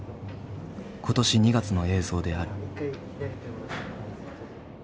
今年２月の映像である。